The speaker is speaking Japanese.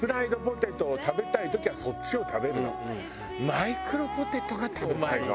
マイクロポテトが食べたいの。